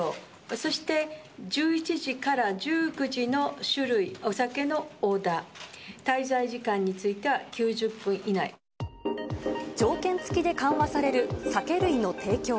そして、１１時から１９時の酒類、お酒のオーダー、滞在時間については条件付きで緩和される酒類の提供。